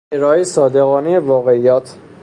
ارائهی صادقانهی واقعیات